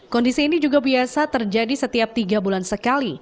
kondisi ini juga biasa terjadi setiap tiga bulan sekali